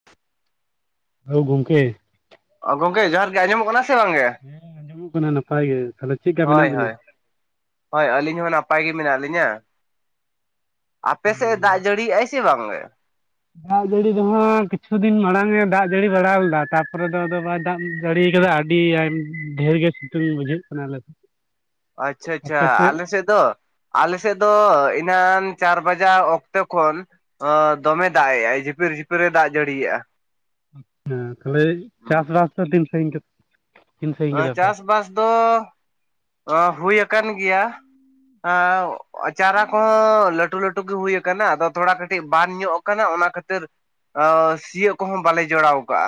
[unintelligible] ᱟᱣ ᱜᱚᱢᱠᱮ ᱳ ᱜᱚᱝᱠᱮ ᱡᱚᱦᱟᱨ ᱜᱮ ᱟᱸᱡᱚᱢᱚᱜ ᱠᱟᱱᱟ ᱥᱮ ᱵᱟᱝ ᱜᱮ ᱦᱮᱸ ᱟᱸᱡᱚᱢᱚᱜ ᱠᱟᱱᱟ ᱱᱟᱯᱟᱭ ᱜᱮ, ᱛᱟᱦᱚᱞᱮ ᱪᱮᱫ ᱞᱮᱠᱟ ᱢᱮᱱᱟᱜ ᱦᱳᱭ ᱵᱤᱱᱟ ᱦᱳᱭ ᱦᱳᱭ ᱟᱹᱞᱤᱧ ᱦᱚᱸ ᱱᱟᱯᱟᱭ ᱜᱮ ᱢᱮᱱᱟᱜ ᱞᱤᱧᱟᱹ ᱟᱯᱮ ᱥᱮᱫ ᱫᱟᱜ ᱡᱟᱹᱲᱤᱭᱮᱫ-ᱟᱭ ᱥᱮ ᱵᱟᱝ ᱜᱮ ᱫᱟᱜ ᱡᱟᱹᱲᱤ ᱫᱚᱦᱟᱸᱜ ᱠᱤᱪᱷᱩ ᱫᱤᱱ ᱢᱟᱲᱟᱝ ᱮ ᱫᱟᱜ ᱡᱟᱹᱲᱤ ᱵᱟᱲᱟ ᱞᱮᱫᱟ ᱛᱟᱯᱚᱨᱮ ᱫᱚ ᱟᱫᱚ ᱵᱟᱭ ᱫᱟᱜ ᱡᱷᱟᱹᱲᱤ ᱟᱠᱟᱫᱟ ᱟᱹᱰᱤ ᱟᱭ ᱰᱷᱮᱨ ᱜᱮ ᱥᱤᱛᱩᱝ ᱵᱩᱡᱷᱟᱹᱜ ᱠᱟᱱᱟ ᱟᱞᱮ ᱥᱮᱫ ᱟᱪᱪᱷᱟ ᱟᱪᱪᱷᱟ ᱟᱞᱮ ᱥᱮᱫ ᱫᱚ ᱟᱞᱮ ᱥᱮᱫ ᱫᱚ ᱮᱱᱟᱱ ᱪᱟᱨ ᱵᱟᱡᱟ ᱚᱠᱛᱮ ᱠᱷᱚᱱ ᱚᱻ ᱫᱚᱢᱮ ᱫᱟᱜ ᱮᱫᱼᱟᱭ ᱡᱷᱤᱯᱤᱨ ᱡᱷᱤᱯᱤᱨ ᱮ ᱫᱟᱜ ᱡᱟᱹᱲᱤᱭᱟᱜᱼᱟ ᱮᱸ ᱛᱟᱦᱚᱞᱮ ᱪᱟᱥᱵᱟᱥ ᱫᱚ ᱛᱤᱱ ᱥᱟᱺᱜᱤᱧ ᱠᱮᱫᱟ ᱛᱤᱱ ᱥᱟᱺᱜᱤᱧ ᱯᱮ? ᱪᱟᱥ ᱵᱟᱥ ᱫᱚ ᱦᱩᱭ ᱟᱠᱟᱱ ᱜᱮᱭᱟ ᱟᱣ ᱪᱟᱨᱟ ᱠᱚᱦᱚᱸ ᱞᱟᱹᱴᱩ ᱞᱟᱹᱴᱩ ᱜᱮ ᱦᱩᱭ ᱟᱠᱟᱱᱟ ᱟᱫᱚ ᱛᱷᱚᱲᱟ ᱠᱟᱹᱴᱤᱡ ᱵᱟᱱ ᱧᱚᱜ ᱟᱠᱟᱱᱟ ᱚᱱᱟ ᱠᱷᱟᱹᱛᱤᱨ, ᱳ ᱥᱤᱭᱳᱜ ᱠᱚ ᱦᱚᱸ ᱵᱟᱞᱮ ᱡᱚᱲᱟᱣ ᱠᱟᱜᱼᱟ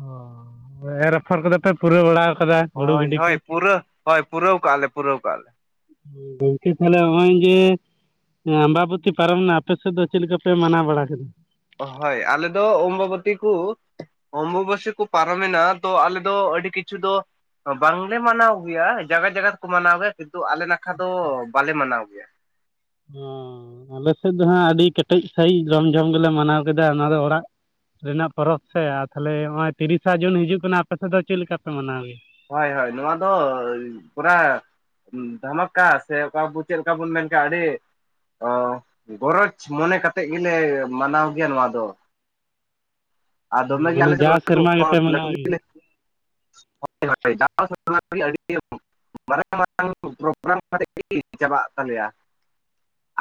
ᱚ ᱮᱨ ᱟᱯᱷᱚᱨ ᱠᱚ ᱫᱚ ᱯᱮ ᱯᱩᱨᱟᱹᱣ ᱵᱟᱲᱟ ᱠᱟᱫᱟ ᱦᱩᱲᱩ ᱦᱳᱭ ᱜᱤᱰᱤ ᱠᱚ ᱦᱳᱭ ᱯᱩᱨᱟᱹ ᱦᱳᱭ ᱯᱩᱨᱟᱹᱣ ᱠᱟᱜᱼᱟ ᱞᱮ ᱯᱩᱨᱟᱹᱣ ᱠᱟᱜᱼᱟ ᱜᱚᱝᱠᱮ ᱛᱟᱦᱞᱮ ᱱᱚᱜᱼᱚᱭ ᱡᱮ ᱦᱮᱸ ᱟᱢᱵᱟᱵᱚᱛᱤ ᱯᱟᱨᱚᱢ ᱱᱟ ᱟᱯᱮ ᱥᱮᱫ ᱫᱚ ᱪᱮᱫ ᱞᱮᱠᱟ ᱯᱮ ᱢᱟᱱᱟᱣ ᱵᱟᱲᱟ ᱠᱮᱫᱟ ᱦᱳᱭ ᱟᱞᱮ ᱫᱚ ᱚᱢᱵᱚᱵᱚᱛᱤ ᱠᱩ ᱚᱢᱵᱚᱥᱤ ᱠᱚ ᱯᱟᱨᱚᱢᱮᱱᱟ ᱛᱚ ᱟᱞᱮ ᱫᱚ ᱟᱹᱰᱤ ᱠᱤᱪᱷᱩ ᱫᱚ ᱵᱟᱝᱞᱮ ᱢᱟᱱᱟᱣ ᱜᱮᱭᱟ ᱡᱟᱜᱟ ᱡᱟᱜᱟ ᱛᱮᱠᱚ ᱢᱟᱱᱟᱣ ᱜᱮᱭᱟ ᱠᱤᱱᱛᱩ ᱟᱞᱮ ᱱᱟᱠᱷᱟ ᱫᱚ ᱵᱟᱞᱮ ᱢᱟᱱᱟᱣ ᱜᱮᱭᱟ, ᱚᱻ ᱟᱞᱮ ᱥᱮᱫ ᱫᱚ ᱦᱟᱸᱜ ᱟᱹᱰᱤ ᱠᱮᱴᱮᱡ ᱥᱟᱺᱦᱤᱡ ᱡᱷᱚᱢ ᱡᱷᱚᱢ ᱜᱮᱞᱮ ᱢᱟᱱᱟᱣ ᱠᱮᱫᱟ ᱚᱱᱟ ᱫᱚ ᱚᱲᱟᱜ, ᱨᱮᱱᱟᱜ ᱯᱚᱨᱚᱵᱽ ᱥᱮ ᱟᱨ ᱛᱟᱦᱞᱮ ᱱᱚᱜ ᱚᱭ ᱛᱤᱨᱤᱥᱟ ᱡᱩᱱ ᱦᱤᱡᱩᱜ ᱠᱟᱱᱟ ᱟᱯᱮᱥᱮᱫ ᱫᱚ ᱪᱮᱫ ᱞᱮᱠᱟ ᱯᱮ ᱢᱟᱱᱟᱣᱜᱮᱭᱟ ᱦᱳᱭ ᱦᱳᱭ ᱱᱚᱣᱟ ᱫᱚ ᱯᱩᱨᱟ ᱫᱷᱟᱢᱟᱠᱟ ᱥᱮ ᱚᱠᱟ ᱵᱚ ᱪᱮᱫ ᱞᱮᱠᱟ ᱵᱚᱱ ᱢᱮᱱ ᱠᱮᱫᱟ ᱟᱹᱰᱤ ᱚ ᱜᱚᱨᱚᱡᱽ ᱢᱚᱱᱮ ᱠᱟᱛᱮᱫ ᱜᱮᱞᱮ ᱢᱟᱱᱟᱣ ᱜᱮᱭᱟ ᱱᱚᱣᱟ ᱫᱚ ᱟᱨ ᱫᱚᱢ ᱜᱮ ᱢᱟᱱᱮ ᱟᱞᱮ ᱥᱮᱫ ᱫᱚ ᱡᱟᱣ ᱥᱮᱨᱢᱟ ᱜᱮᱯᱮ ᱞᱟᱴᱷᱩ ᱢᱟᱱᱟᱣ ᱞᱟᱴᱷᱩ ᱜᱮᱭᱟ? [inaudible] [inaudible] ᱢᱟᱨᱟᱝ ᱢᱟᱨᱟᱝ ᱯᱨᱜᱨᱟᱢ ᱪᱟᱵᱟᱜ ᱛᱟᱞᱮᱭᱟ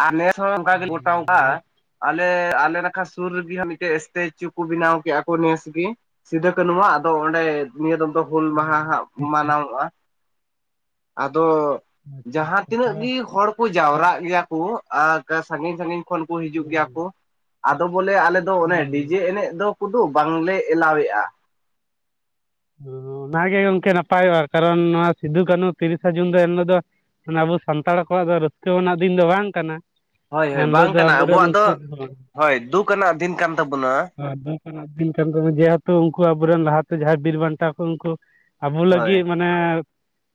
ᱟᱨ ᱱᱮᱥ ᱚᱱᱠᱟ ᱜᱚᱴᱟᱣ ᱟᱞᱮ ᱠᱟᱜᱼᱟ ᱟᱞᱮ ᱟᱞᱮ ᱱᱟᱠᱷᱟ ᱥᱩᱨ ᱨᱮᱜᱮ ᱢᱤᱫᱴᱮᱡ ᱥᱴᱮᱪᱩ ᱠᱩ ᱵᱮᱱᱟᱣ ᱠᱮᱫᱼᱟ ᱠᱚ ᱱᱮᱥ ᱜᱮ ᱥᱤᱫᱩ ᱠᱟᱹᱱᱦᱩ ᱣᱟᱜ ᱟᱫᱚ ᱚᱸᱰᱮ ᱱᱤᱭᱟᱹ ᱫᱚᱢ ᱫᱚ ᱦᱩᱞ ᱢᱟᱦᱟ ᱦᱟᱸᱜ ᱢᱟᱱᱟᱣᱚᱜᱼᱟ ᱟᱫᱚ ᱟᱪᱪᱷᱟ ᱡᱟᱦᱟᱸ ᱟᱪᱪᱷᱟ ᱛᱤᱱᱟᱹᱜ ᱛᱟᱦᱚᱞᱮ ᱜᱤ ᱦᱚᱲ ᱠᱚ ᱡᱟᱣᱨᱟᱜ ᱜᱮᱭᱟ ᱠᱩ ᱟᱨ ᱡᱟ ᱥᱟᱺᱜᱤᱧ ᱥᱟᱺᱜᱤᱧ ᱠᱷᱚᱱ ᱠᱩ ᱦᱤᱡᱩᱜ ᱜᱮᱭᱟ ᱠᱚ ᱟᱫᱚ ᱵᱚᱞᱮ ᱟᱞᱮ ᱫᱚ ᱚᱱᱮ ᱦᱩᱸ ᱰᱤᱡᱮ ᱮᱱᱮᱡ ᱫᱚ, ᱠᱩᱫᱩ ᱵᱟᱝᱞᱮ ᱮᱞᱟᱣᱮᱫᱼᱟ ᱚᱱᱟ ᱜᱮ ᱜᱚᱝᱠᱮ ᱱᱟᱯᱟᱭᱚᱜᱼᱟ, ᱠᱟᱨᱚᱱ ᱱᱚᱣᱟ ᱥᱤᱫᱩ ᱠᱟᱹᱱᱩ ᱛᱤᱨᱤᱥᱟ ᱡᱩᱱ ᱫᱚ ᱮᱱᱦᱤᱞᱳᱜ ᱫᱚ ᱚᱱᱟ ᱟᱵᱚ ᱥᱟᱱᱛᱟᱲ ᱠᱚᱣᱟᱜ ᱫᱚ ᱨᱟᱹᱥᱠᱟᱹ ᱟᱱᱟᱜ ᱫᱤᱱ ᱫᱚ ᱵᱟᱝ ᱠᱟᱱᱟ᱾ ᱦᱳᱭ ᱦᱳᱭ ᱮᱱᱦᱤᱞᱳᱜ ᱵᱟᱝ ᱫᱚ ᱠᱟᱱᱟ ᱟᱵᱚᱨᱮᱱ ᱟᱵᱚᱣᱟᱜ ᱩᱱᱠᱩ ᱫᱚ ᱠᱚᱫᱚ ᱦᱳᱭ ᱫᱩᱠ ᱟᱱᱟᱜ ᱫᱤᱱ ᱠᱟᱱ ᱛᱟᱵᱚᱱᱟ ᱵᱟᱝ ᱟᱪᱪᱷᱟ᱾ [unintelligible] ᱵᱤᱱ ᱠᱟᱱ ᱛᱟᱵᱚᱱᱟ ᱡᱮᱦᱟᱛᱩ ᱩᱱᱠᱩ ᱟᱵᱚᱨᱮᱱ ᱞᱟᱦᱟᱛᱮ ᱡᱟᱦᱟᱸᱭ ᱵᱤᱨ ᱵᱟᱱᱴᱟ ᱠᱩ ᱩᱱᱠᱩ ᱟᱵᱚ ᱦᱳᱭ ᱞᱟᱹᱜᱤᱫ ᱢᱟᱱᱮ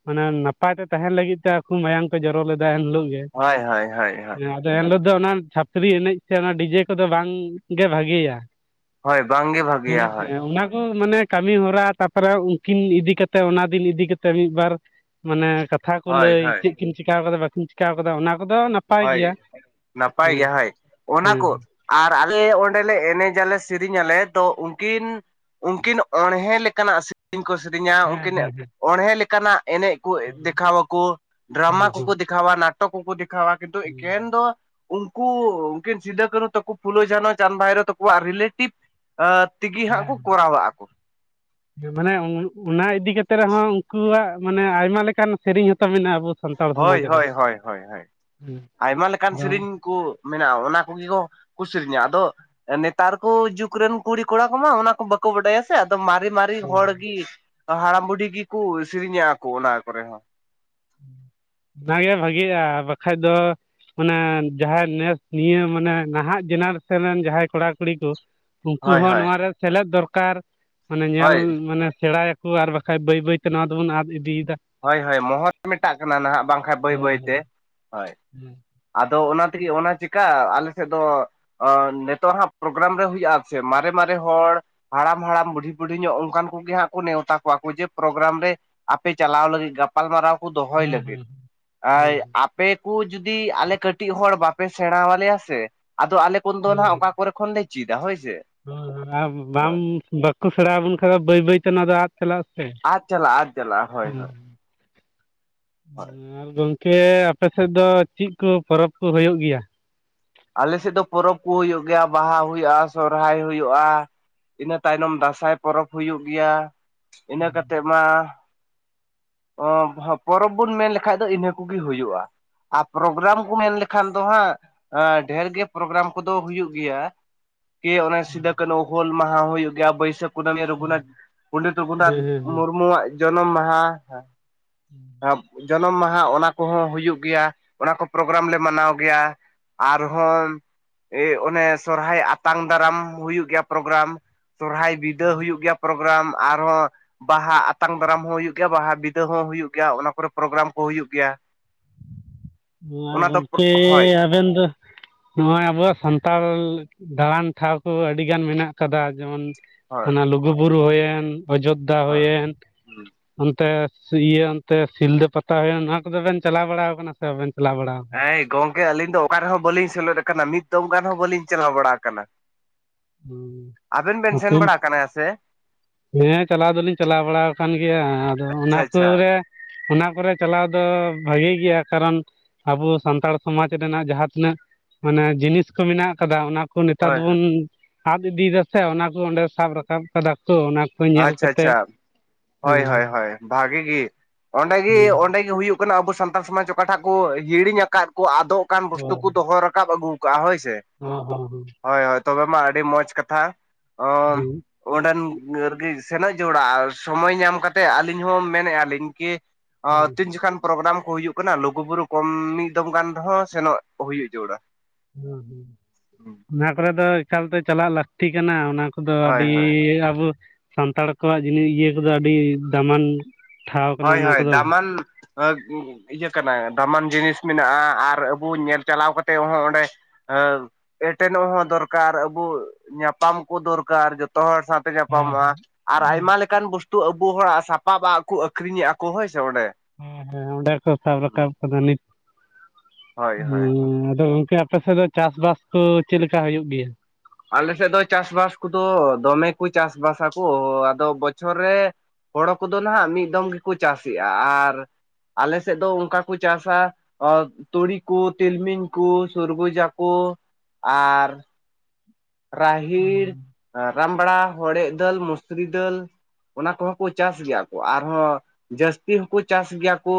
ᱢᱟᱱᱮ ᱱᱟᱯᱟᱭ ᱛᱮ ᱛᱟᱦᱮᱸᱱ ᱞᱟᱹᱜᱤᱫ ᱛᱮ ᱟᱠᱩ ᱢᱟᱭᱟᱢ ᱠᱩ ᱡᱚᱨᱚ ᱞᱮᱫᱟ ᱮᱱᱞᱳᱜ ᱜᱮ᱾ ᱦᱚᱭ ᱦᱚᱭ ᱦᱚᱭ ᱦᱚᱭ ᱟᱫᱚ ᱮᱱᱦᱤᱞᱳᱜ ᱫᱚ ᱚᱱᱟ ᱪᱷᱟᱯᱨᱤ ᱮᱱᱮᱡ ᱥᱮ ᱚᱱᱟ ᱰᱤᱡᱮ ᱠᱚ ᱫᱚ ᱵᱟᱝ ᱜᱮ ᱵᱷᱟᱜᱤᱭᱟ᱾ ᱦᱳᱭ ᱵᱟᱝᱜᱮ ᱵᱷᱟᱜᱮᱭᱟ ᱢᱚᱱᱮ ᱦᱳᱭ ᱛᱤᱧᱟ ᱚᱱᱟ ᱠᱚ ᱢᱟᱱᱮ ᱠᱟᱢᱤ ᱦᱚᱨᱟ ᱛᱟᱯᱚᱨᱮ ᱩᱱᱠᱤᱱ ᱤᱫᱤ ᱠᱟᱛᱮ ᱚᱱᱟ ᱫᱤᱱ ᱤᱫᱤ ᱠᱟᱛᱮ ᱢᱤᱫ ᱵᱟᱨ ᱢᱟᱱᱮ ᱠᱟ ᱛᱷᱟ ᱠᱚ ᱦᱳᱭ ᱞᱟᱹᱭ ᱦᱳᱭ ᱪᱮᱫ ᱠᱤᱱ ᱪᱮᱠᱟ ᱠᱟᱫᱟ ᱵᱟᱹᱠᱤᱱ ᱪᱮᱠᱟᱣ ᱠᱟᱫᱟ ᱚᱱᱟ ᱠᱚᱫᱚ ᱱᱟᱯᱟᱭ ᱜᱮᱭᱟ ᱦᱳᱭ ᱱᱟᱯᱟᱭ ᱦᱮᱸ ᱡᱟᱦᱟᱸᱭ ᱚᱱᱟ ᱦᱮᱸ ᱠᱚ ᱟᱨ ᱟᱞᱮ ᱚᱸᱰᱮᱞᱮ ᱮᱱᱮᱡ ᱟᱞᱮ ᱥᱮᱨᱮᱧ ᱟᱞᱮ ᱛᱚ ᱩᱱᱠᱤᱱ ᱩᱱᱠᱤᱱ ᱚᱬᱦᱮᱸ ᱞᱮᱠᱟᱱᱟᱜ ᱥᱤᱨᱤᱧ ᱠᱚ ᱥᱤᱨᱤᱧᱟ᱾ ᱦᱮᱸ ᱩᱱᱠᱤᱱ ᱦᱮᱸ ᱚᱬᱦᱮᱸ ᱞᱮᱠᱟᱱᱟᱜ ᱮᱱᱮᱡ ᱠᱩ ᱫᱮᱠᱷᱟᱣᱟ ᱠᱚ ᱦᱮᱸ ᱰᱨᱟᱢᱟ ᱦᱚᱸ ᱠᱚ ᱠᱚ ᱫᱮᱠᱷᱟᱣᱟ, ᱱᱟᱴᱚᱠ ᱠᱚ ᱠᱚ ᱫᱮᱠᱷᱟᱣᱟ᱾ ᱠᱤᱱᱛᱩ ᱦᱚᱸ ᱮᱠᱷᱮᱱ ᱫᱚ ᱩᱱᱠᱩ ᱩᱱᱠᱤᱱ ᱥᱤᱫᱟᱹ ᱠᱟᱹᱱᱦᱩ ᱛᱟᱠᱩ ᱯᱷᱩᱞᱳ ᱡᱷᱟᱱᱚ ᱪᱟᱸᱫ ᱵᱷᱟᱭᱨᱳ ᱛᱟᱠᱚᱣᱟᱜ ᱨᱤᱞᱮᱴᱤᱵᱷ ᱦᱟᱸ ᱛᱮᱜᱮ ᱦᱟᱸᱜ ᱦᱮᱸ ᱠᱚ ᱠᱚᱨᱟᱣ ᱟᱠᱚ᱾ [inaudible] ᱢᱟᱱᱮ ᱚᱱᱟ ᱤᱫᱤ ᱠᱟᱛᱮ ᱨᱮᱦᱚᱸ ᱩᱱᱠᱩᱣᱟᱜ ᱢᱟᱱᱮ ᱟᱭᱢᱟ ᱞᱮᱠᱟᱱ ᱥᱮᱨᱮᱧ ᱦᱚᱸᱛᱚ ᱢᱮᱱᱟᱜᱼᱟ ᱟᱵᱩ ᱦᱳᱭ ᱦᱳᱭ ᱦᱳᱭ ᱦᱳᱭ ᱦᱳᱭ ᱦᱮᱸ ᱟᱭᱢᱟᱹ ᱞᱮᱸᱠᱟᱱ ᱵᱟᱝ ᱥᱮᱨᱤᱧ ᱠᱩ ᱢᱮᱱᱟᱜ-ᱟ, ᱚᱱᱟ ᱠᱚᱜᱮ ᱠᱚ ᱠᱩ ᱥᱤᱨᱤᱧᱟ᱾ ᱟᱫᱚ ᱱᱮᱛᱟᱨ ᱠᱩ ᱡᱩᱜᱽ ᱨᱮᱱ ᱠᱩᱲᱤ ᱠᱚᱲᱟ ᱠᱚᱢᱟ ᱚᱱᱟ ᱠᱚ ᱵᱟᱠᱚ ᱵᱟᱰᱟᱭᱟ ᱥᱮ᱾ ᱟᱫᱚ ᱢᱟᱨᱮ ᱢᱟᱨᱮ ᱟᱹᱰᱤ ᱦᱮᱸ ᱦᱚᱲ ᱜᱤ ᱦᱟᱲᱟᱢ ᱵᱩᱰᱷᱤ ᱜᱤ ᱠᱚ ᱥᱮᱨᱮᱧᱟ ᱟᱠᱩ ᱚᱱᱟ ᱠᱚᱨᱮ ᱦᱚᱸ᱾ ᱚᱱᱟ ᱜᱮ ᱵᱷᱟᱜᱤᱜᱼᱟ, ᱵᱟᱠᱷᱟᱡ ᱫᱚ ᱢᱟᱹᱱᱮ ᱡᱟᱦᱟᱸᱭ ᱱᱮᱥ ᱱᱤᱭᱟᱹ ᱢᱟᱱᱮ ᱱᱟᱦᱟᱜ ᱡᱮᱱᱟᱨᱮᱥᱚᱱ ᱨᱮᱱ ᱡᱟᱦᱟᱸᱭ ᱠᱚᱹᱲᱟ ᱠᱩᱲᱤ ᱠᱚ ᱩᱱᱠᱩ ᱦᱳᱭ ᱦᱚᱸ ᱦᱳᱭ ᱱᱚᱣᱟ ᱨᱮ ᱥᱮᱞᱮᱫ ᱫᱚᱨᱠᱟᱨ ᱢᱟᱱᱮ ᱧᱮᱞ ᱦᱳᱭ ᱢᱟᱱᱮ ᱥᱮᱬᱟᱭ ᱟᱠ ᱦᱳ ᱟᱨ ᱵᱟᱠᱷᱟᱡ ᱵᱟᱹᱭ ᱵᱟᱹᱭᱛᱮ ᱱᱚᱣᱟ ᱫᱚᱵᱚᱱ ᱟᱫᱽ ᱤᱫᱤᱭᱮᱫᱟ᱾ ᱦᱳᱭ ᱦᱳᱭ ᱢᱚᱦᱚᱨ ᱢᱮᱴᱟᱜ ᱠᱟᱱᱟ ᱱᱟᱦᱟᱜ ᱵᱟᱝᱠᱷᱟᱱ ᱵᱟᱹᱭ ᱵᱟᱹᱭ ᱛᱮ ᱦᱮᱸ ᱦᱳᱭ᱾ ᱦᱮᱸ ᱟᱫᱚ ᱚᱱᱟ ᱛᱮᱜᱮ ᱚᱱᱟ ᱪᱮᱠᱟ ᱟᱞᱮ ᱥᱮᱫ ᱫᱚ ᱚᱸ ᱱᱤᱛᱚᱜ ᱦᱟᱸᱜ ᱯᱨᱳᱜᱨᱟᱢ ᱨᱮ ᱦᱳᱭᱳᱜᱼᱟ ᱥᱮ ᱢᱟᱨᱮ ᱢᱟᱨᱮ ᱦᱚᱲ ᱦᱟᱲᱟᱢ ᱦᱟᱲᱟᱢ ᱵᱩᱰᱷᱤ ᱵᱩᱰᱷᱤ ᱧᱚᱜ ᱚᱱᱠᱟᱱ ᱠᱚᱜᱮ ᱦᱟᱸᱜ ᱠᱚ ᱱᱮᱶᱛᱟ ᱠᱚᱣᱟ ᱠᱚ ᱡᱮ ᱯᱨᱳᱜᱨᱟᱢ ᱨᱮ ᱟᱯᱮ ᱪᱟᱞᱟᱣ ᱞᱟᱹᱜᱤᱫ ᱜᱟᱯᱟᱞ ᱢᱟᱨᱟᱣ ᱠᱩ ᱫᱚᱦᱚᱭ ᱦᱮᱸ ᱞᱟᱹᱜᱤᱫ ᱦᱮᱸ ᱟᱭ ᱦᱮᱸ ᱦᱮᱸ ᱦᱮᱸ ᱟᱯ ᱯᱮ ᱠᱚ ᱡᱩᱫᱤ ᱟᱞᱮ ᱠᱟᱹᱴᱤᱡ ᱦᱚᱲ ᱵᱟᱯᱮ ᱥᱮᱬᱟᱣ ᱟᱞᱮᱭᱟ ᱥᱮ, ᱟᱫᱚ ᱟᱞᱮ ᱠᱚᱫᱚ ᱦᱟᱸᱜ ᱚᱠᱟ ᱠᱚᱨᱮ ᱠᱷᱚᱱᱰᱮ ᱪᱮᱫᱟ ᱦᱳᱭ ᱥᱮ? ᱦᱩᱸ ᱦᱩᱸ ᱵᱟᱝ ᱦᱳᱭ ᱵᱟᱠᱚ ᱥᱮᱬᱟ ᱟᱵᱚᱱ ᱠᱷᱟᱱ ᱫᱚ ᱵᱟᱹᱭ ᱵᱟᱹᱭ ᱛᱮ ᱱᱚᱣᱟ ᱫᱚ ᱟᱫᱽ ᱪᱟᱞᱟᱜ-ᱟ ᱛᱮ ᱟᱫ ᱪᱟᱞᱟᱜᱼᱟ ᱟᱫ ᱪᱟᱞᱟᱜᱼᱟ ᱦᱳᱭ ᱦᱮᱸ, ᱦᱳᱭ ᱦᱳᱭ ᱟᱨ ᱜᱚᱝᱠᱮ ᱟᱯᱮ ᱥᱮᱫ ᱫᱚ ᱪᱮᱫ ᱠᱚ ᱯᱚᱨᱚᱵᱽ ᱠᱚ ᱦᱩᱭᱩᱜ ᱜᱮᱭᱟ? ᱟᱞᱮ ᱥᱮᱫ ᱫᱚ ᱯᱚᱨᱚᱵᱽ ᱠᱩ ᱦᱩᱭᱩᱜ ᱜᱮᱭᱟ᱾ ᱵᱟᱦᱟ ᱦᱩᱭᱩᱜ-ᱟ, ᱥᱚᱦᱚᱨᱟᱭ ᱦᱩᱭᱩᱜ-ᱟ᱾ ᱤᱱᱟᱹ ᱛᱟᱭᱱᱚᱢ ᱫᱟᱸᱥᱟᱭ ᱯᱚᱨᱚᱵᱽ ᱦᱩᱭᱩᱜ ᱜᱮᱭᱟ᱾ ᱤᱱᱟᱹ ᱠᱟᱛᱮᱜ ᱢᱟ ᱚᱢᱵᱷᱚᱯ ᱯᱚᱨᱚᱵ ᱵᱩᱱ ᱢᱮᱱ ᱞᱮᱠᱷᱟᱡ ᱫᱚ ᱤᱱᱟᱹ ᱠᱚᱜᱮ ᱦᱩᱭᱩᱜ-ᱟ᱾ ᱟᱨ ᱯᱨᱳᱜᱨᱟᱢ ᱠᱩ ᱢᱮᱱ ᱞᱮᱠᱷᱟᱱ ᱫᱚ ᱦᱟᱸᱜ ᱟᱸ ᱰᱷᱮᱨ ᱜᱮ ᱯᱨᱳᱜᱨᱟᱢ ᱠᱚᱫᱚ ᱦᱩᱭᱩᱜ ᱜᱮᱭᱟ᱾ ᱠᱮ ᱚᱱᱟ ᱥᱤᱫᱩ ᱠᱟᱹᱱᱦᱩ ᱦᱩᱞ ᱢᱟᱦᱟᱸ ᱦᱩᱭᱩᱜ ᱜᱮᱭᱟ᱾ ᱵᱟᱹᱭᱥᱟᱹᱠᱷ ᱠᱩᱱᱟᱹᱢᱤ ᱨᱚᱜᱷᱩᱱᱟᱛ ᱯᱚᱱᱰᱤᱛ ᱨᱚᱜᱷᱩᱱᱟᱛᱷ ᱦᱮᱸ ᱦᱮᱸ ᱦᱮᱸ ᱢᱩᱨᱢᱩᱣᱟᱜ ᱡᱚᱱᱚᱢ ᱢᱟᱦᱟ [unintelligible] ᱦᱩᱸ [unintelligible] ᱡᱚᱱᱚᱢ ᱢᱟᱦᱟ ᱚᱱᱟ ᱠᱚᱦᱚᱸ ᱦᱩᱭᱩᱜ ᱜᱮᱭᱟ᱾ ᱚᱱᱟ ᱠᱚ ᱯᱨᱳᱜᱨᱟᱢ ᱞᱮ ᱢᱟᱱᱟᱣ ᱜᱮᱭᱟ᱾ ᱟᱨ ᱦᱚᱸ ᱟᱹᱭ ᱚᱱᱮ ᱥᱚᱨᱚᱦᱟᱭ ᱟᱛᱟᱝ ᱫᱟᱨᱟᱢ ᱦᱩᱭᱩᱜ ᱜᱮᱭᱟ ᱯᱨᱳᱜᱨᱟᱢ᱾ ᱥᱚᱨᱚᱦᱟᱭ ᱵᱤᱫᱟᱹ ᱦᱩᱭᱩᱜ ᱜᱮᱭᱟ ᱯᱚᱨᱚᱵᱽ ᱜᱨᱟᱢ ᱟᱨ ᱦᱚᱸ ᱵᱟᱦᱟ ᱟᱛᱟᱝ ᱫᱟᱨᱟᱢ ᱦᱚᱸ ᱦᱩᱭᱩᱜ ᱜᱮᱭᱟ ᱵᱟᱦᱟ ᱵᱤᱫᱟᱹ ᱦᱚᱸ ᱦᱩᱭᱩᱜ ᱜᱮᱭᱟ, ᱚᱱᱟ ᱠᱚᱨᱮ ᱯᱨᱳᱜᱨᱟᱢ ᱠᱚ ᱦᱩᱭᱩᱜ ᱜᱮᱭᱟ᱾ ᱢᱟ ᱚᱱᱟ ᱫᱚ ᱜᱚᱝᱠᱮ ᱦᱳᱭ ᱟᱵᱮᱱ ᱫᱚ ᱱᱚᱣᱟ ᱟᱵᱚᱣᱟ ᱥᱟᱱᱛᱟᱲ ᱞᱟ ᱫᱟᱬᱟᱱ ᱴᱷᱟᱶ ᱠᱚ ᱟᱹᱰᱤ ᱜᱟᱱ ᱢᱮᱱᱟᱼᱜ ᱠᱟᱫᱟᱹ ᱡᱮᱹᱢᱚᱱ ᱦᱳᱭ ᱦᱟᱱᱟᱹ ᱞᱩᱜᱩᱼᱵᱩᱨᱩ ᱦᱩᱭᱮᱱ ᱚᱡᱳᱫᱽᱫᱷᱟ ᱦᱳᱭ ᱦᱩᱭᱮᱱ ᱚᱱᱹᱛᱮ ᱤᱭᱟᱹ ᱚᱱᱹᱛᱮ ᱥᱤᱞᱫᱟᱹ ᱯᱟᱛᱟ ᱦᱩᱭᱩᱜᱹ ᱚᱱᱟᱹ ᱠᱚᱫᱚᱹ ᱵᱮᱱ ᱪᱟᱞᱟᱼᱣ ᱵᱟᱲᱟ ᱟᱠᱟᱱᱟ ᱥᱮ ᱵᱟᱵᱮᱱ ᱪᱟᱞᱟᱼᱣ ᱵᱟᱲᱟ ᱟᱠᱟᱱᱟ ᱦᱮ ᱜᱚᱝᱠᱮ ᱟᱹᱞᱤᱧ ᱫᱚ ᱚᱠ ᱨᱮᱦᱚᱸ ᱵᱟᱹᱞᱤᱧ ᱥᱮᱞᱮᱫ ᱟᱠᱟᱱᱟ ᱢᱤᱫ ᱫᱚᱢ ᱜᱟᱱ ᱦᱚᱸ ᱵᱟᱹᱞᱤᱧ ᱪᱟᱞᱟᱼᱣ ᱵᱟᱲᱟ ᱟᱠᱟᱱ᱾ ᱟᱵᱮᱱ ᱵᱮᱱ ᱦᱩᱸ ᱥᱮᱱ ᱛᱤᱱ ᱵᱟᱲᱟ ᱠᱟᱱᱟ ᱦᱮᱸᱥᱮ? ᱦᱮᱸ ᱪᱟᱞᱟᱼᱣ ᱫᱚ ᱞᱤᱧ ᱪᱟᱞᱟᱼᱣ ᱵᱟᱲᱟ ᱠᱟᱱ ᱜᱮᱭᱟ ᱟᱫᱚ ᱚᱱᱟ ᱟᱪᱪᱷᱟ ᱥᱩᱨ ᱟᱪᱪᱷᱟ ᱨᱮ ᱚᱱᱟ ᱠᱚᱨᱮ ᱪᱟᱞᱟᱣ ᱫᱚ ᱵᱷᱟᱜᱤ ᱜᱮᱭᱟ ᱠᱟᱨᱚᱱ ᱟᱵᱚ ᱥᱟᱱᱛᱟᱲ ᱥᱚᱢᱟᱡᱽ ᱨᱮᱱᱟᱜ ᱡᱟᱦᱟᱸ ᱛᱤᱱᱟᱹᱜ ᱢᱟᱱᱮ ᱡᱤᱱᱤᱥ ᱠᱚ ᱢᱮᱱᱟᱜ ᱠᱟᱫᱟ ᱚᱱᱟ ᱠᱚ ᱱᱮᱛᱟᱨᱹ ᱦᱳᱭ ᱫᱚ ᱦᱳᱭ ᱵᱚᱱ ᱟᱫ ᱤᱫᱤᱭ ᱫᱟᱥᱮ ᱚᱱᱟ ᱠᱚ ᱚᱸᱰᱮ ᱥᱟᱵ ᱨᱟᱠᱟᱵ ᱠᱟᱫᱟ ᱠᱚ ᱚᱱᱟ ᱠᱚ ᱧᱮᱞ ᱟᱪᱷᱟ ᱪᱷᱟ ᱠᱟᱛᱮᱜ ᱦᱳᱭ ᱦᱳᱭ ᱦᱮᱸ ᱦᱳᱭ ᱵᱷᱟᱜᱤ ᱜᱮᱤ ᱚᱸᱰᱮ ᱜᱮᱤ ᱦᱮᱸ ᱚᱸᱰᱮ ᱜᱮᱤ ᱦᱩᱭᱩᱜ ᱠᱟᱱᱟ ᱟᱵᱚ ᱥᱟᱱᱛᱟᱲ ᱥᱚᱢᱟᱡᱽ ᱚᱠᱟᱴᱟᱜ ᱠᱚ ᱦᱤᱲᱤᱧ ᱟᱠᱟᱫ ᱠᱚ ᱟᱫᱚᱜ ᱠᱟᱱ ᱵᱚᱥᱛᱩ ᱦᱳᱭ ᱠᱚ ᱫᱚᱦᱚ ᱨᱟᱠᱟᱵ ᱟᱹᱜᱩ ᱠᱟᱜᱼᱟ ᱦᱳᱭ ᱥᱮ, ᱦᱚᱸ ᱦᱚᱸ ᱦᱚᱸ᱾ ᱦᱳᱭ ᱦᱳᱭ ᱛᱚᱵᱮ ᱢᱟ ᱟᱹᱰᱤ ᱢᱚᱡᱽ ᱠᱟᱛᱷᱟ ᱦᱚᱸ ᱚᱸᱰᱮᱱ ᱱᱟᱹᱨᱜᱤ ᱥᱮᱱᱚᱜ ᱡᱚᱲᱟᱜᱼᱟ ᱥᱚᱢᱚᱭ ᱧᱟᱢ ᱠᱟᱛᱮᱫ ᱟᱹᱞᱤᱧ ᱦᱚᱸ ᱢᱮᱱᱮᱜ ᱟᱞᱤᱧ ᱠᱤ ᱚ ᱦᱮᱸ ᱛᱤᱱ ᱡᱚᱠᱷᱟᱱ ᱯᱨᱳᱜᱨᱟᱢ ᱠᱚ ᱦᱩᱭᱩᱜ ᱠᱟᱱᱟ ᱞᱩᱜᱩ ᱵᱩᱨᱩ ᱠᱚᱢ ᱢᱤᱫ ᱫᱚᱢ ᱜᱟᱱ ᱨᱮᱦᱚᱸ ᱥᱮᱱᱚᱜ ᱦᱩᱭᱩᱜ ᱡᱟᱹᱨᱩᱲᱟ᱾ ᱦᱮᱸ ᱦᱮᱸ ᱚᱱᱟ ᱠᱚᱨᱮ ᱫᱚ ᱮᱠᱟᱞᱛᱮ ᱪᱟᱞᱟᱜ ᱞᱟᱹᱠᱛᱤ ᱠᱟᱱᱟ ᱚᱱᱟ ᱠᱚ ᱫᱚ ᱦᱳᱭ ᱟᱹᱰᱤ ᱦᱳᱭ ᱟᱵᱚ ᱥᱟᱱᱛᱟᱲ ᱠᱚᱣᱟᱜ ᱡᱤᱱᱤ ᱤᱭᱟᱹ ᱠᱚᱫᱚ ᱟᱹᱰᱤ ᱫᱟᱢᱟᱱ ᱴᱷᱟᱶ ᱠᱟᱱᱟ ᱦᱳᱭ ᱚᱱᱟ ᱦᱳᱭ ᱠᱚᱫᱚ ᱫᱟᱢᱟᱱ ᱤᱭᱟᱹ ᱠᱟᱱᱟ ᱫᱟᱢᱟᱱ ᱡᱤᱱᱤᱥ ᱢᱮᱱᱟᱜ-ᱟ ᱟᱨ ᱟᱵᱩ ᱧᱮᱞ ᱪᱟᱞᱟᱣ ᱠᱟᱛᱮ ᱦᱚᱸ ᱚᱸᱰᱮ ᱮᱴᱮᱱᱚᱜ ᱦᱚᱸ ᱫᱚᱨᱠᱟᱨ ᱟᱵᱚ ᱧᱟᱯᱟᱢ ᱠᱚ ᱫᱚᱨᱠᱟᱨ ᱡᱚᱛᱚ ᱦᱚᱲ ᱥᱟᱶ ᱛᱮ ᱦᱮᱸ ᱧᱟᱯᱟᱢᱚᱜ-ᱟ ᱟᱨ ᱦᱮᱸ ᱟᱭᱢᱟ ᱞᱮᱠᱟᱱ ᱵᱚᱥᱛᱩ ᱟᱵᱚ ᱦᱚᱲᱟᱜ ᱥᱟᱯᱟᱵ-ᱟᱜ ᱠᱩ ᱟᱹᱠᱷᱨᱤᱧ ᱮᱭᱟ ᱟᱠᱚ ᱦᱳᱭ ᱥᱮ ᱚᱸᱰᱮ, ᱦᱮᱸ ᱦᱮᱸ ᱚᱸᱰᱮ ᱠᱚ ᱥᱟᱵ ᱨᱟᱠᱟᱵ ᱠᱟᱫᱟ ᱱᱤᱛ ᱦᱳᱭ ᱦᱳᱭ ᱦᱳᱭ ᱦᱩᱸᱻ ᱟᱫᱚ ᱜᱚᱝᱠᱮ ᱟᱯᱮ ᱥᱮᱫ ᱫᱚ ᱪᱟᱥ-ᱵᱟᱥ ᱠᱚ ᱪᱮᱫᱞᱮᱠᱟ ᱦᱩᱭᱩᱜ ᱜᱮᱭᱟ? ᱟᱞᱮ ᱥᱮᱫ ᱫᱚ ᱪᱟᱥ-ᱵᱟᱥ ᱠᱚᱫᱚ ᱫᱚᱢᱮ ᱠᱚ ᱪᱟᱥᱼᱵᱟᱥ ᱟᱠᱚ ᱟᱫᱚ ᱵᱚᱪᱷᱚᱨ ᱨᱮ ᱦᱳᱲᱳ ᱠᱚᱫᱚ ᱱᱟᱦᱟᱸᱜ ᱢᱤᱫ ᱫᱚᱢ ᱜᱮᱠᱚ ᱪᱟᱥᱮᱜ-ᱟ ᱟᱨ ᱟᱞᱮ ᱥᱮᱫ ᱫᱚ ᱚᱱᱠᱟ ᱠᱚ ᱪᱟᱥᱟ ᱚ ᱛᱩᱲᱤ ᱠᱚ ᱛᱤᱞᱢᱤᱧ ᱠᱩᱸ ᱥᱩᱨᱵᱩᱡᱟ ᱠᱚ ᱟᱨ ᱨᱟᱦᱤᱲ ᱨᱟᱢᱲᱟ ᱦᱚᱲᱮᱫ ᱫᱟᱹᱞ ᱢᱚᱥᱨᱤ ᱫᱟᱹᱞ ᱚᱱᱟ ᱠᱚᱦᱚᱸ ᱠᱚ ᱪᱟᱥ ᱜᱮᱭᱟ ᱠᱚ ᱟᱨᱦᱚᱸ ᱡᱟᱹᱥᱛᱤ ᱦᱚᱸᱠᱚ ᱪᱟᱥ ᱜᱮᱭᱟ ᱠᱚ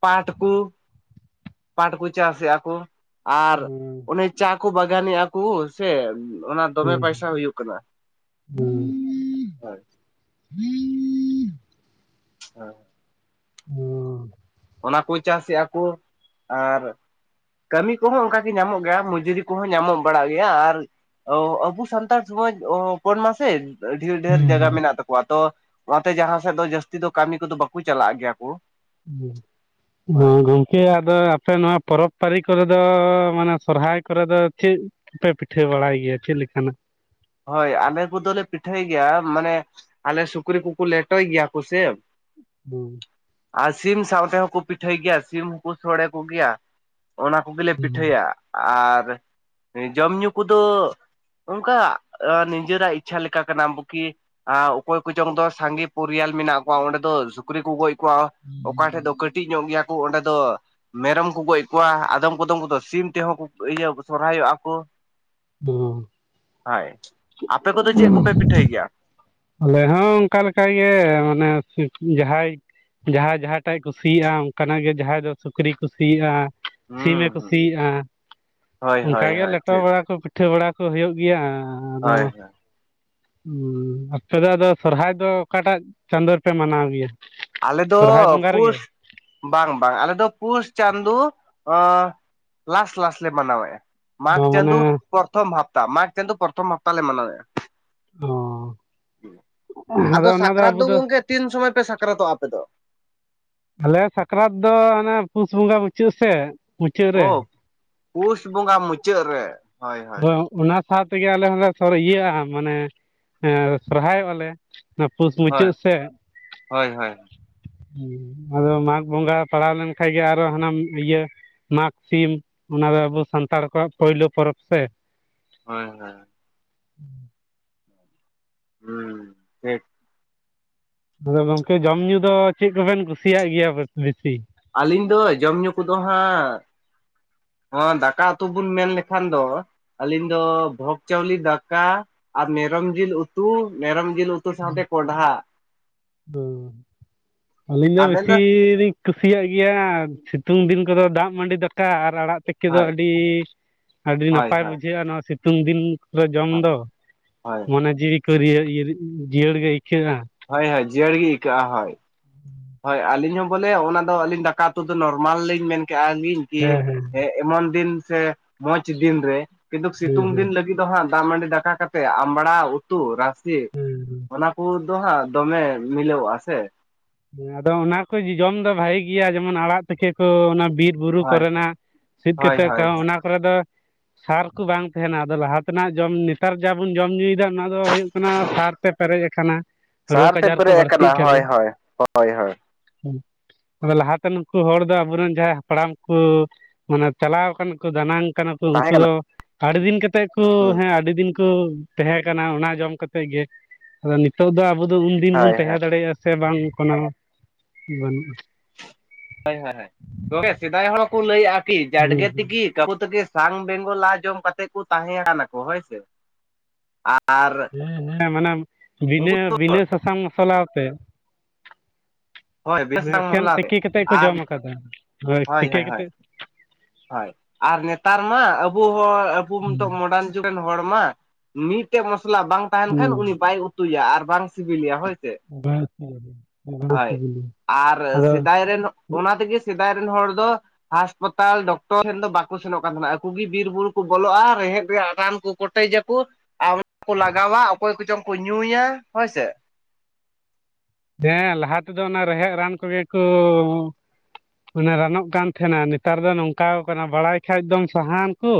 ᱯᱟᱴ ᱠᱩ ᱯᱟᱴ ᱠᱩ ᱪᱟᱥᱮᱫ-ᱟ ᱠᱚ ᱟᱨ ᱚᱱᱮ ᱪᱟ ᱠᱩ ᱵᱟᱜᱟᱱᱮᱫ-ᱟ ᱠᱩ ᱥᱮ ᱚᱱᱟ ᱫᱚᱢᱮ ᱯᱟᱭᱥᱟ ᱦᱩᱭᱩᱜ ᱠᱟᱱᱟ, ᱦᱳᱭ᱾ [unintelligible] [unintelligible] ᱚᱱᱟ ᱠᱚ ᱪᱟᱥᱮᱫ-ᱟ ᱠᱚ ᱟᱨ ᱠᱟᱹᱢᱤ ᱠᱚᱦᱚᱸ ᱚᱱᱠᱟᱜᱮ ᱧᱟᱢᱚᱜ ᱜᱮᱭᱟ ᱢᱚᱡᱩᱨᱤ ᱠᱚᱦᱚᱸ ᱧᱟᱢᱚᱜ ᱵᱟᱲᱟᱜ ᱜᱮᱭᱟ ᱟᱨ ᱚ ᱟᱵᱚ ᱥᱟᱱᱛᱟᱲ ᱥᱚᱢᱟᱡᱽ ᱦᱚᱯᱚᱱ ᱢᱟᱥᱮ ᱰᱷᱮᱨ ᱰᱷᱮᱨ ᱡᱟᱜᱟ ᱢᱮᱱᱟᱜ ᱛᱟᱠᱚᱣᱟ ᱛᱚ ᱚᱱᱟᱛᱮ ᱡᱟᱦᱟᱸ ᱥᱮᱫ ᱫᱚ ᱡᱟᱹᱥᱛᱤ ᱫᱚ ᱠᱟᱹᱢᱤ ᱠᱚᱫᱚ ᱵᱟᱠᱚ ᱪᱟᱞᱟᱜ ᱜᱮᱭᱟ ᱠᱚ, [inaudible] ᱦᱳᱭ [unintelligible] ᱠᱮ ᱟᱫᱚ ᱟᱯᱮ ᱱᱚᱣᱟ ᱯᱚᱨᱚᱵᱽ ᱯᱟᱨᱤ ᱠᱚᱨᱮ ᱫᱚ ᱢᱟᱱᱮ ᱥᱚᱨᱦᱟᱭ ᱠᱚᱨᱮ ᱫᱚ ᱪᱮᱫ ᱯᱮ ᱯᱤᱴᱷᱟᱹ ᱵᱟᱲᱟᱭ ᱜᱮᱭᱟ ᱪᱮᱫ ᱞᱮᱠᱟᱱᱟᱜ? ᱦᱳᱭ ᱟᱞᱮ ᱠᱚᱫᱚᱞᱮ ᱯᱤᱴᱷᱟᱹᱭ ᱜᱮᱭᱟ ᱢᱟᱱᱮ ᱟᱞᱮ ᱥᱩᱠᱨᱤ ᱠᱩᱠᱩ ᱞᱮᱴᱚᱭ ᱜᱮᱭᱟ ᱠᱚ ᱥᱮ [unintelligible] ᱟᱨ ᱥᱤᱢ ᱥᱟᱶ ᱛᱮᱦᱚᱸ ᱠᱚ ᱯᱤᱴᱷᱟᱹᱭ ᱜᱮᱭᱟ ᱥᱤᱢ ᱦᱚᱸᱠᱚ ᱥᱚᱲᱮ ᱠᱚᱜᱮᱭᱟ, ᱚᱱᱟ ᱠᱚ ᱜᱮᱞᱮ ᱦᱩᱸ ᱯᱤᱴᱷᱟᱹᱭᱟ ᱟᱨ ᱡᱚᱢᱼᱧᱩ ᱠᱚᱫᱚ ᱚᱝᱠᱟ ᱟ ᱱᱤᱡᱮᱨᱟᱜ ᱤᱪᱪᱷᱟ ᱞᱮᱠᱟ ᱠᱟᱱᱟ ᱵᱩᱠᱤ ᱟ ᱚᱠᱚᱭ ᱠᱚᱪᱚᱝ ᱫᱚ ᱥᱟᱸᱜᱮ ᱯᱚᱨᱤᱭᱟᱞ ᱢᱮᱱᱟᱜ ᱠᱚᱣᱟ ᱚᱸᱰᱮ ᱫᱚ ᱥᱩᱠᱨᱤ ᱠᱩ ᱜᱚᱡ ᱠᱚᱣᱟ ᱚᱠᱟ ᱴᱷᱮᱡ ᱫᱚ ᱠᱟᱹᱴᱤᱡ ᱧᱚᱜ ᱜᱮᱭᱟ ᱠᱚ ᱚᱸᱰᱮ ᱫᱚ ᱢᱮᱨᱚᱢ ᱠᱚ ᱜᱚᱡ ᱠᱚᱣᱟ ᱟᱫᱚᱢ ᱠᱚᱫᱚᱢ ᱠᱚᱫᱚ ᱥᱤᱢ ᱛᱮᱦᱚᱸ ᱠᱚ ᱤᱭᱟᱹ ᱥᱚᱨᱚᱦᱟᱭᱚᱜ-ᱟ ᱠᱚ᱾ ᱦᱳᱭ [unintelligible] ᱟᱯᱮ ᱠᱚᱫᱚ ᱪᱮᱫ ᱠᱚᱯᱮ ᱯᱤᱴᱷᱟᱹᱭ ᱜᱮᱭᱟ᱾ ᱟᱞᱮ ᱦᱚᱸ ᱚᱱᱠᱟ ᱞᱮᱜᱮ ᱢᱟᱱᱮ ᱡᱟᱦᱟᱸᱭ᱾ ᱡᱟᱦᱟᱸᱭ ᱡᱟᱦᱟᱸᱴᱟᱜ-ᱮ ᱠᱩᱥᱤᱭᱟᱜ-ᱟ, ᱚᱱᱠᱟ ᱱᱟᱜ ᱜᱮ ᱡᱟᱦᱟᱸᱭ ᱫᱚ ᱥᱩᱠᱨᱤᱭ ᱠᱩᱥᱤᱭᱟᱜ-ᱟ᱾ ᱦᱩᱸ ᱥᱤᱢᱮ ᱦᱩᱸ ᱠᱩᱥᱤᱭᱟᱜ-ᱟ ᱦᱳᱭ ᱦᱳᱭ ᱚᱱᱠᱟᱜᱮ ᱦᱳᱭ ᱞᱮᱴᱚ ᱴᱷᱤᱠ ᱵᱟᱲᱟ ᱠᱚ᱾ ᱯᱤᱴᱷᱟᱹ ᱵᱟᱲᱟ ᱠᱚ ᱦᱩᱭᱩᱜ ᱜᱮᱭᱟ ᱟᱫᱚ᱾ ᱦᱳᱭ ᱦᱳᱭ ᱟᱯᱮ ᱫᱚ ᱟᱫᱚ ᱥᱚᱨᱦᱟᱭ ᱫᱚ ᱚᱠᱟᱴᱟᱜ ᱪᱟᱸᱫᱚ ᱨᱮ ᱯᱮ ᱢᱟᱱᱟᱣ ᱜᱮᱭᱟ᱾ ᱟᱞᱮ ᱫᱚ ᱥᱚᱨᱦᱟᱭ ᱵᱚᱸᱜᱟ ᱨᱮᱜᱮ ᱯᱩᱥ ᱵᱟᱝ ᱵᱟᱝ ᱟᱞᱮ ᱫᱚ ᱯᱩᱥ ᱪᱟᱸᱫᱳ ᱞᱟᱥ ᱞᱟᱥ ᱞᱮ ᱢᱟᱱᱟᱣᱮᱫ-ᱟ᱾ ᱢᱟᱜᱽ ᱚ ᱪᱟᱸᱫᱚ ᱢᱟᱱᱮ ᱯᱨᱚᱛᱷᱚᱢ ᱦᱟᱯᱛᱟ ᱢᱟᱜᱽ ᱪᱟᱸᱫᱩ ᱯᱨᱚᱛᱚᱢ ᱦᱟᱯᱛᱟ ᱞᱮ ᱢᱟᱱᱟᱣᱭᱟ ᱚ ᱟᱫᱚ ᱥᱟᱠᱨᱟᱛ ᱫᱚ ᱜᱚᱝᱠᱮ ᱛᱤᱱ ᱥᱚᱢᱚᱭ ᱯᱮ ᱥᱟᱠᱨᱟᱛᱚᱜ-ᱟ ᱟᱯᱮ ᱫᱚ᱾ ᱟᱞᱮᱭᱟᱜ ᱥᱟᱠᱨᱟᱛ ᱫᱚ ᱚᱱᱮ ᱯᱩᱥ ᱵᱚᱸᱜᱟ ᱢᱩᱪᱟᱹᱫ ᱥᱮᱫ ᱢᱩᱪᱟᱹᱫ ᱨᱮ᱾ ᱚ ᱯᱩᱥ ᱵᱚᱸᱜᱟ ᱢᱩᱪᱟᱹᱫ ᱨᱮ ᱦᱳᱭ ᱦᱳᱭ ᱦᱚᱭ ᱚᱱᱟ ᱥᱟᱶ ᱛᱮᱜᱮ ᱟᱞᱮ ᱦᱚᱸᱞᱮ ᱤᱭᱟᱹᱜᱼᱟ ᱢᱟᱱᱮ ᱥᱚᱨᱦᱟᱭᱚᱜᱼᱟ ᱞᱮ᱾ ᱚᱱᱟ ᱯᱳᱥ ᱦᱳᱭ ᱢᱩᱪᱟᱹᱫ ᱥᱮᱜ ᱦᱮ ᱦᱳᱭ ᱦᱳᱭ ᱟᱫᱚ ᱢᱟᱜᱽ ᱵᱚᱸᱜᱟ ᱯᱟᱲᱟᱣ ᱞᱮᱱᱠᱟᱱ ᱜᱮ ᱟᱨᱚ ᱦᱟᱱᱟ ᱤᱭᱟᱹ᱾ ᱢᱟᱜᱽ ᱥᱤᱢ ᱚᱱᱟ ᱫᱚ ᱟᱵᱚ ᱥᱟᱱᱛᱟᱲ ᱠᱚᱣᱟᱜ ᱯᱳᱭᱞᱳ ᱯᱚᱨᱚᱵᱽ ᱥᱮ᱾ ᱦᱳᱭ ᱦᱳᱭ [unintelligible] ᱦᱩᱸ ᱴᱷᱤᱠ ᱟᱫᱚ ᱜᱚᱝᱠᱮ ᱡᱚᱢ ᱧᱩ ᱫᱚ ᱪᱮᱫ ᱠᱚᱵᱮᱱ ᱠᱩᱥᱤᱭᱟᱜ ᱜᱮᱭᱟ ᱵᱮᱥᱤ᱾ ᱟᱹᱞᱤᱧ ᱫᱚ ᱡᱚᱢᱧᱩ ᱠᱚᱫᱚ ᱦᱟᱸᱜ᱾ ᱫᱟᱠᱟ ᱩᱛᱩ ᱵᱚᱱ ᱢᱮᱱ ᱞᱮᱠᱷᱟᱱ ᱫᱚ᱾ ᱟᱹᱞᱤᱧ ᱫᱚ ᱵᱷᱚᱜᱽ ᱪᱟᱣᱞᱤ ᱫᱟᱠᱟ ᱟᱨ ᱢᱮᱨᱚᱢ ᱡᱤᱞ ᱩᱛᱩ ᱢᱮᱨᱚᱢ᱾ ᱡᱤᱞ ᱩᱛᱩ ᱥᱟᱶᱛᱮ ᱠᱚᱰᱦᱟ ᱦᱚᱸ ᱟᱹᱞᱤᱧ ᱫᱚ ᱵᱮᱥᱤ ᱞᱤᱧ ᱠᱩᱥᱤᱭᱟᱜ ᱜᱮᱭᱟ ᱥᱤᱛᱩᱝ ᱫᱤᱱ ᱠᱚᱫᱚ ᱫᱟᱜ ᱢᱟᱹᱰᱤ ᱫᱟᱠᱟ ᱟᱨ ᱟᱲᱟᱜ ᱛᱤᱠᱤ ᱫᱟ ᱦᱳᱭ ᱟᱹᱰᱤ ᱟᱹᱰᱤ ᱦᱳᱭ ᱱᱟᱯᱟᱭ ᱦᱳᱭ ᱵᱩᱡᱷᱟᱹᱜᱼᱟ ᱱᱚᱣᱟ ᱥᱤᱛᱩᱝ ᱫᱤᱱ ᱡᱚᱢ ᱦᱳᱭ ᱫᱚ ᱦᱳᱭ ᱢᱚᱱᱮ ᱡᱤᱣᱤ ᱠᱚ ᱡᱤᱭᱟᱹᱲ ᱜᱮ ᱟᱹᱭᱠᱟᱹᱜᱼᱟ᱾ ᱦᱳᱭ ᱦᱳᱭ ᱡᱤᱭᱟᱹᱲ ᱜᱮ ᱟᱹᱭᱠᱟᱹᱜᱼᱟ ᱦᱳᱭ᱾ ᱦᱳᱭ ᱟᱹᱞᱤᱧ ᱦᱚᱸ ᱵᱚᱞᱮ ᱚᱱᱟ ᱫᱚ ᱟᱹᱞᱤᱧ ᱫᱟᱠᱟ ᱩᱛᱩ ᱫᱚ ᱱᱚᱨᱢᱟᱞ ᱞᱤᱧ ᱢᱮᱱ ᱠᱮᱫ ᱟᱞᱤᱧ ᱦᱮᱸ [inaudible] ᱮᱢᱚᱱ ᱫᱤᱱ ᱥᱮ ᱢᱚᱸᱡᱽ ᱫᱤᱱ ᱨᱮ ᱠᱤᱱᱛᱩ ᱦᱮᱸ ᱥᱤᱛᱩᱝ ᱦᱮᱸ ᱫᱤᱱ ᱦᱮᱸ ᱞᱟᱹᱜᱤᱫ᱾ ᱫᱚ ᱦᱟᱸᱜ ᱫᱟᱜ ᱢᱟᱹᱰᱤ ᱫᱟᱠᱟ ᱠᱟᱛᱮ ᱟᱢᱲᱟ ᱩᱛᱩ ᱨᱟᱥᱮ ᱚᱱᱟ ᱠᱚᱫᱚ ᱦᱟᱸᱜ ᱫᱚᱢᱮ ᱢᱤᱞᱟᱹᱚᱜᱼᱟ ᱥᱮᱼᱼ ᱦᱮᱸ ᱟᱫᱚ ᱚᱱᱟ ᱠᱚ ᱡᱚᱡᱚᱢ ᱫᱚ ᱵᱷᱟᱜᱤ ᱜᱮᱭᱟ, ᱡᱮᱢᱚᱱ ᱟᱲᱟᱜ ᱛᱮᱠᱮ ᱠᱚ ᱚᱱᱟ ᱵᱤᱨ ᱵᱩᱨᱩ ᱦᱳᱭ ᱠᱚᱨᱮᱱᱟᱜ ᱥᱤᱫ ᱦᱳᱭ ᱦᱳᱭ ᱠᱟᱛᱮ ᱠᱚ ᱦᱳᱭ ᱚᱱᱟ᱾ ᱠᱚᱨᱮ ᱫᱚ ᱥᱟᱨ ᱠᱚ ᱵᱟᱝ ᱛᱟᱦᱮᱱᱟ ᱟᱫᱚ ᱞᱟᱦᱟ ᱛᱮᱱᱟᱜ ᱡᱚᱢ, ᱱᱮᱛᱟᱨ ᱡᱟᱵᱚᱱ ᱡᱚᱢ ᱧᱩᱭᱮᱫᱟ ᱚᱱᱟ ᱫᱚ ᱦᱩᱭᱩᱜ ᱠᱚᱱᱟ ᱥᱟᱨ ᱛᱮ ᱯᱮᱨᱮᱡ ᱟᱠᱟᱱᱟ ᱥᱟᱨ ᱨᱳᱜᱽ ᱛᱮ ᱟᱡᱟᱨ ᱠᱚ ᱯᱮᱨᱮᱡ ᱵᱟᱹᱲᱛᱤᱜ ᱟᱠᱟᱱᱟ ᱦᱳᱭ ᱠᱟᱱᱟ᱾ ᱦᱳᱭ ᱦᱳᱭ ᱦᱳᱭ ᱞᱟᱦᱟᱛᱮ ᱱᱩᱠᱩ ᱦᱚᱲ ᱫᱚ ᱟᱵᱚᱨᱮᱱ ᱡᱟᱦᱟᱸᱭ ᱦᱟᱯᱲᱟᱢ ᱠᱩ᱾ ᱢᱟᱱᱮ ᱪᱟᱞᱟᱣ ᱠᱟᱱᱟ ᱠᱚ ᱫᱟᱱᱟᱝ ᱠᱟᱱᱟ ᱠᱚ ᱛᱟᱦᱮᱸ ᱩᱱᱠᱩ ᱠᱟᱱᱟ ᱫᱚ ᱟᱹᱰᱤᱫᱤᱱ ᱠᱟᱛᱮᱫ ᱠᱚ ᱦᱩᱸ ᱦᱮᱸ ᱟᱹᱰᱤ ᱫᱤᱱ᱾ ᱛᱚ ᱛᱟᱦᱮᱸ ᱠᱟᱱᱟ ᱚᱱᱟ ᱡᱚᱢ ᱠᱟᱛᱮ ᱜᱮ, ᱟᱫᱚ ᱱᱤᱛᱚᱜ ᱫᱚ ᱟᱵᱚ ᱫᱚ ᱩᱱᱫᱤᱱ ᱵᱚᱱ ᱦᱳᱭ ᱛᱟᱦᱮᱸ ᱦᱳᱭ ᱫᱟᱲᱮᱭᱟᱜᱼᱟ᱾ ᱥᱮ ᱵᱟᱝ ᱠᱳᱱᱳ ᱵᱟᱹᱱᱩᱜᱼᱟ ᱦᱳᱭ ᱦᱳᱭ ᱜᱚᱢᱠᱮ ᱥᱮᱫᱟᱭ ᱦᱚᱲ ᱠᱚ ᱞᱟᱹᱭᱮᱫᱼᱟ ᱠᱤ ᱡᱟᱰᱜᱮ ᱦᱩᱸ ᱦᱩᱸ ᱛᱤᱠᱤ ᱠᱟᱵᱩ ᱛᱤᱸᱠᱤᱱ ᱥᱟᱝ ᱵᱮᱝᱜᱚᱞ ᱞᱟ ᱡᱚᱢ ᱠᱟᱛᱮ ᱠᱚ ᱛᱟᱦᱮᱸᱭᱟᱱᱟᱠᱚ ᱦᱳᱭ ᱥᱮ ᱟᱨ ᱦᱮᱸ ᱦᱮᱸ ᱢᱟᱱᱮ ᱵᱤᱱᱟᱹ ᱩᱱᱠᱩ ᱵᱤᱱᱟᱹ ᱥᱟᱥᱟᱝ ᱢᱚᱥᱞᱟ ᱟᱛᱮ᱾ ᱦᱳᱭ ᱵᱮᱥ ᱥᱟᱝ ᱮᱠᱷᱮᱱ ᱢᱚᱥᱞᱟ ᱛᱮ ᱛᱤᱠᱤ ᱠᱟᱛᱮ ᱠᱚ ᱟᱨ ᱡᱚᱢᱠᱟᱫᱟ ᱦᱳᱭ ᱛᱤᱠᱤ ᱠᱟᱛᱮ᱾ ᱦᱳᱭ ᱟᱨ ᱱᱮᱛᱟᱨ ᱢᱟ ᱟᱵᱚ ᱦᱚᱸ ᱟᱵᱚ ᱱᱤᱛᱚᱜ ᱢᱚᱰᱟᱨᱱ᱾ ᱡᱩᱜᱨᱮᱱ ᱦᱚᱲ ᱢᱟ ᱢᱤᱫ ᱴᱟᱝ ᱢᱚᱥᱞᱟ ᱵᱟᱝ ᱛᱟᱦᱮᱱ ᱠᱷᱟᱱ ᱩᱱᱤ ᱵᱟᱭ ᱩᱛᱩᱭᱟ ᱟᱨ ᱵᱟᱝ ᱥᱤᱵᱤᱞᱮᱭᱟ ᱦᱳᱭ᱾ ᱥᱮ ᱦᱚᱭ ᱟᱨ ᱟᱫᱚ ᱥᱮᱫᱟᱭ ᱨᱮᱱ ᱚᱱᱟ ᱛᱮᱜᱮ ᱥᱮᱫᱟᱭ ᱨᱮᱱ ᱦᱚᱲ ᱫᱚ ᱦᱟ ᱥᱯᱟᱛᱟᱞ ᱛᱟᱞ ᱰᱚᱠᱴᱚᱨ ᱴᱷᱮᱱ ᱫᱚ ᱵᱟᱠᱚ ᱥᱮᱱᱚᱜ ᱠᱟᱱ ᱛᱟᱦᱮᱱᱟ ᱟᱠᱩᱜᱮ ᱵᱤᱨ ᱵᱩᱨᱩ ᱠᱚ ᱵᱚᱞᱚᱜᱼᱟ ᱨᱮᱦᱮᱫ ᱨᱮᱭᱟᱜ ᱨᱟᱱ ᱠᱚ ᱠᱚᱴᱮᱡᱟᱠᱚ ᱟᱨ ᱚᱱᱟ ᱠᱚ ᱞᱟᱜᱟᱣᱟ ᱚᱠᱚᱭ ᱠᱚᱪᱚᱝ ᱠᱚ ᱧᱩᱭᱟ ᱦᱳᱭ ᱥᱮ ᱦᱮᱸ ᱞᱟᱦᱟ ᱛᱮᱫᱚ ᱚᱱᱟ ᱨᱮᱦᱮᱫ ᱨᱟᱱ ᱠᱚᱜᱮ ᱠᱚ ᱢᱟᱱᱮ ᱨᱟᱱᱚᱜ ᱠᱟᱱ ᱛᱟᱦᱮᱱᱟ ᱱᱮᱛᱟᱨ ᱫᱚ ᱱᱚᱝᱠᱟ ᱠᱟᱱᱟ ᱵᱟᱲᱟᱭ ᱠᱷᱟᱡ ᱫᱚᱢ ᱥᱟᱦᱟᱱ ᱠᱚ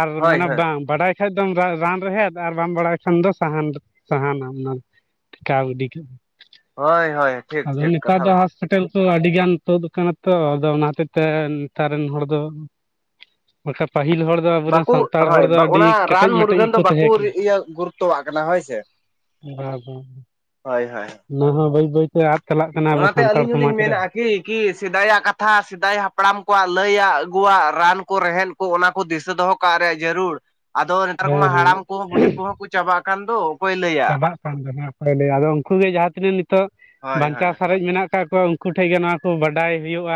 ᱟᱨ ᱦᱳᱭ ᱢᱟᱱᱮ ᱦᱳᱭ ᱵᱟᱝ ᱵᱟᱰᱟᱭ ᱵᱟᱰᱟᱭ ᱠᱷᱟᱱ ᱫᱚᱢ ᱨᱟᱱ ᱨᱮᱦᱮᱫ ᱟᱨ ᱵᱟᱢ ᱵᱟᱲᱟᱭ ᱠᱷᱟᱱ ᱫᱚ ᱥᱟᱦᱟᱱ ᱥᱟᱦᱟᱱᱟᱢ ᱚᱱᱟ ᱴᱮᱠᱟᱣ ᱜᱤᱰᱤ ᱠᱟᱜ ᱦᱳᱭ ᱦᱳᱭ ᱴᱷᱤᱠ ᱟᱫᱚ ᱴᱷᱤᱠ ᱱᱮᱛᱟᱨ ᱠᱟᱛᱷᱟ ᱫᱚ ᱡᱟᱦᱟᱥ ᱦᱚᱴᱮᱞ ᱠᱚ ᱟᱹᱰᱤᱜᱟᱱ ᱛᱩᱫ ᱟᱠᱟᱱᱟ ᱛᱚ ᱟᱫᱚ ᱚᱱᱟ ᱦᱚᱛᱮᱜ ᱛᱮ ᱱᱮᱛᱟᱨ ᱨᱮᱱ ᱦᱚᱲ ᱫᱚ ᱵᱟᱠᱷᱟᱱ ᱯᱟᱹᱦᱤᱞ ᱦᱚᱲ ᱟᱵᱚᱨᱮᱱ ᱵᱟᱠᱚ ᱥᱟᱱᱛᱟᱲ ᱦᱚᱲ ᱦᱳᱭ ᱫᱚ ᱟᱹᱰᱤ ᱚᱱᱟ ᱨᱟᱱ ᱠᱮᱴᱮᱡ ᱢᱮᱴᱮᱡ ᱢᱩᱨᱜᱟᱹᱱ ᱫᱚ ᱜᱮᱠᱚ ᱵᱟᱠᱚ ᱛᱟᱦᱮᱸ ᱠᱟᱱᱟ ᱤᱭᱟᱹ ᱜᱩᱨᱩᱛᱛᱚᱣᱟᱜ ᱠᱟᱱᱟ ᱦᱳᱭ ᱥᱮ ᱵᱟ ᱵᱟᱝ ᱦᱳᱭ ᱦᱳᱭ ᱚᱱᱟ ᱦᱚᱸ ᱵᱟᱹᱭ ᱵᱟᱹᱭᱛᱮ ᱟᱫ ᱪᱟᱞᱟᱜ ᱠᱟᱱᱟ ᱟᱵᱚ ᱥᱟᱱᱛᱟᱲ ᱥᱚᱢᱟᱡᱽ ᱨᱮ ᱜᱤ ᱜᱤ ᱥᱮᱫᱟᱭᱟᱜ ᱠᱟᱛᱷᱟ ᱥᱮᱫᱟᱭ ᱦᱟᱯᱲᱟᱢ ᱠᱚᱣᱟᱜ ᱞᱟᱹᱭᱟᱜ ᱟᱹᱜᱩᱣᱟᱜ ᱨᱟᱱ ᱠᱚ ᱨᱮᱦᱮᱫ ᱚᱱᱟ ᱠᱚ ᱫᱤᱥᱟᱹ ᱫᱚᱦᱚ ᱠᱟᱜ ᱨᱮ ᱡᱟᱹᱨᱩᱲ ᱟᱫᱚ ᱱᱮᱛᱟᱨ ᱠᱚᱢᱟ ᱦᱮᱸ ᱦᱮᱸ ᱦᱟᱲᱟᱢ ᱠᱚᱦᱚᱸ ᱵᱩᱰᱷᱤ ᱠᱚᱦᱚᱸ ᱠᱚ ᱪᱟᱵᱟᱜ ᱠᱟᱱ ᱫᱚ ᱚᱠᱚᱭ ᱞᱟᱹᱭᱟ ᱪᱟᱵᱟᱜ ᱠᱟᱱ ᱛᱟᱦᱮ ᱚᱠᱚᱭ ᱞᱟᱹᱭ ᱟᱫᱚ ᱩᱱᱠᱩ ᱜᱮ ᱡᱟᱦᱟᱸ ᱛᱤᱱᱟᱹᱜ ᱱᱤᱛᱚᱜ ᱦᱳᱭ ᱦᱳᱭ ᱵᱟᱧᱪᱟᱣ ᱥᱟᱨᱮᱡ ᱢᱮᱱᱟᱜ ᱠᱚᱣᱟ ᱢᱮᱛᱟ ᱠᱚᱣᱟ ᱩᱱᱠᱩ ᱴᱷᱮᱱ ᱜᱮ ᱱᱚᱣᱟ ᱠᱚ ᱵᱟᱰᱟᱭ ᱦᱩᱭᱩᱜᱼᱟ